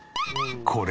これ。